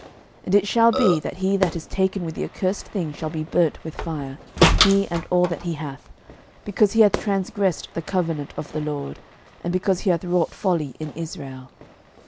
06:007:015 And it shall be, that he that is taken with the accursed thing shall be burnt with fire, he and all that he hath: because he hath transgressed the covenant of the LORD, and because he hath wrought folly in Israel.